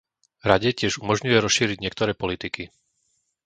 Rade tiež umožňuje rozšíriť niektoré politiky.